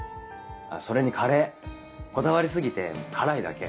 それにカレーこだわり過ぎて辛いだけ。